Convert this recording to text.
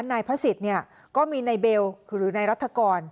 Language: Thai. นายพระศิษย์เนี่ยก็มีนายเบลคือหรือนายรัฐกร